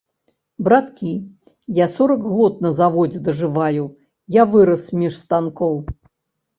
Браткі, я сорак год на заводзе дажываю, я вырас між станкоў.